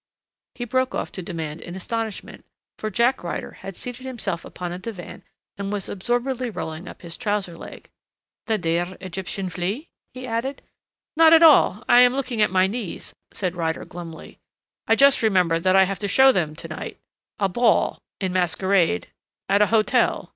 he broke off to demand in astonishment, for Jack Ryder had seated himself upon a divan and was absorbedly rolling up his trouser leg. "The dear Egyptian flea?" he added. "Not at all. I am looking at my knees," said Ryder glumly. "I just remembered that I have to show them to night.... A ball in masquerade. At a hotel.